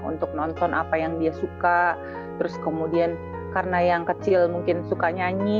untuk nonton apa yang dia suka terus kemudian karena yang kecil mungkin suka nyanyi